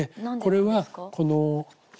これはこの。